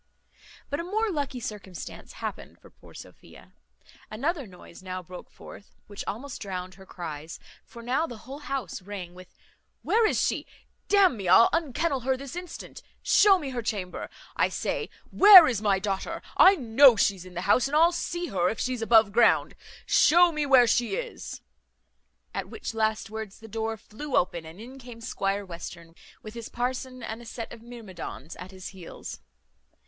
But a more lucky circumstance happened for poor Sophia; another noise now broke forth, which almost drowned her cries; for now the whole house rang with, "Where is she? D n me, I'll unkennel her this instant. Show me her chamber, I say. Where is my daughter? I know she's in the house, and I'll see her if she's above ground. Show me where she is." At which last words the door flew open, and in came Squire Western, with his parson and a set of myrmidons at his heels.